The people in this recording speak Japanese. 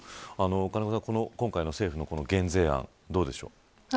金子さん、今回の政府の減税案どうでしょうか。